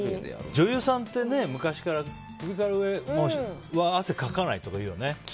女優さんってね昔から首から上は汗かかないとか聞くよね。